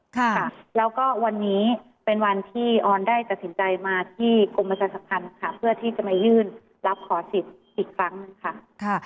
ค่ะแล้วก็วันนี้เป็นวันที่ออนได้ตัดสินใจมาที่กรมประชาสัมพันธ์ค่ะเพื่อที่จะมายื่นรับขอสิทธิ์อีกครั้งหนึ่งค่ะ